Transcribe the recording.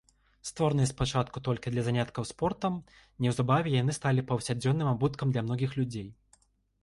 Створаныя спачатку толькі для заняткаў спортам, неўзабаве яны сталі паўсядзённым абуткам для многіх людзей.